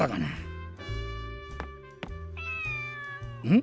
ん？